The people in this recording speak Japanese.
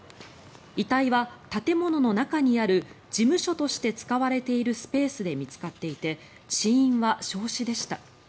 遺体は建物の中にある事務所として使われているスペースで見つかっていて死因は焼死でした。